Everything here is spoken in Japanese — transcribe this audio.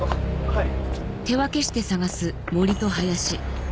はい。